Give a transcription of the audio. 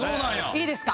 いいですか？